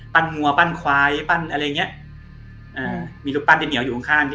ปั้นมัวปั้นควายปั้นอะไรเงี้ยอ่ามีลูกปั้นเด็ดเหนียวอยู่ข้าง